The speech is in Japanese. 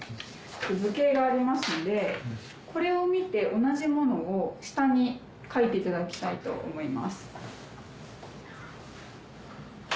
図形がありますのでこれを見て同じものを下に描いていただきたいと思います。